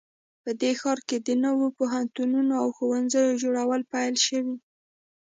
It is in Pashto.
په دې ښار کې د نوو پوهنتونونو او ښوونځیو جوړول پیل شوي